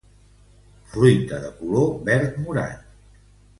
Fruita de color verd morat.